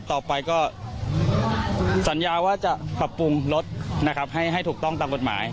ต่อไปก็สัญญาว่าจะปรับปรุงรถนะครับให้ถูกต้องตามกฎหมาย